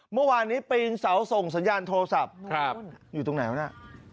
เมื่อวานนี้ไปยิงเสาส่งสัญญาณโทรศัพท์อยู่ตรงไหนครับหน้าโอ้โห